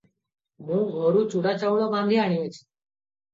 ମୁଁ ଘରୁ ଚୂଡ଼ା ଚାଉଳ ବାନ୍ଧି ଆଣିଅଛି ।